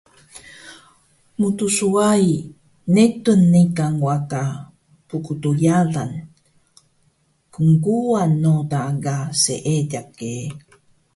Mtswai, netun niqan wada pgdyalan qnquwan noda ka seediq ge